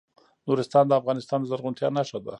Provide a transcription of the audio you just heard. نورستان د افغانستان د زرغونتیا نښه ده.